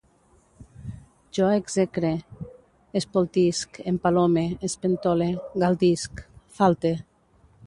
Jo execre, espoltisc, empalome, espentole, galdisc, falte